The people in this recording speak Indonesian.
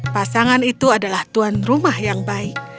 pasangan itu adalah tuan rumah yang baik